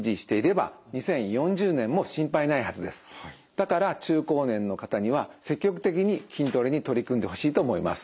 だから中高年の方には積極的に筋トレに取り組んでほしいと思います。